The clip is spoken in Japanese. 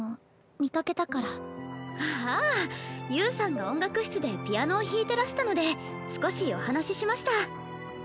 ああ侑さんが音楽室でピアノを弾いてらしたので少しお話ししました。